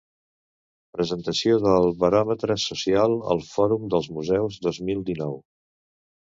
Presentació del Baròmetre Social al Fòrum dels Museus dos mil dinou.